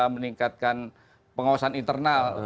meningkatkan pengawasan internal